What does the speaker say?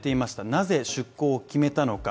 なぜ出航を決めたのか。